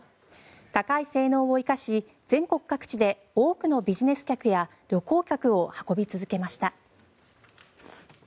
高い性能を生かし全国各地で多くのビジネス客や旅行客を運び続けました。